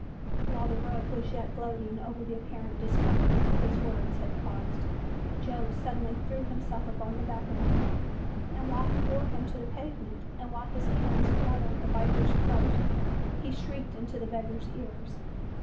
While the rogue was yet gloating over the apparent discomfort his words had caused, Joe suddenly threw himself upon the vagabond, and while he bore him to the pavement and while his hands throttled the viper's throat, he shrieked into the beggar's ears.